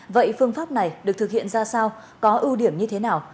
vậy phương pháp này được thực hiện ra sao có ưu điểm như thế nào